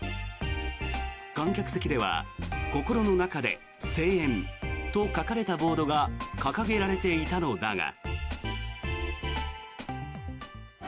観客席では「こころの中で！」「静援」と書かれたボードが掲げられていたのだが。